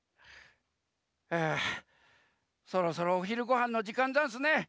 はあそろそろおひるごはんのじかんざんすね。